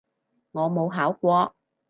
我冇考過